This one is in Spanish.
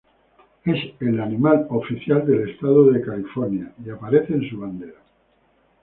Es el animal oficial del estado de California y aparece en su bandera.